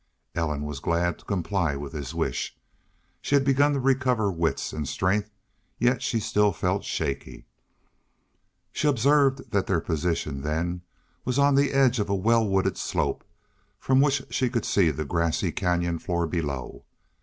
Ellen was glad to comply with his wish. She had begun to recover wits and strength, yet she still felt shaky. She observed that their position then was on the edge of a well wooded slope from which she could see the grassy canyon floor below.